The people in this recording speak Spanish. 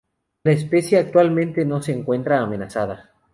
La especie actualmente no se encuentra amenazada.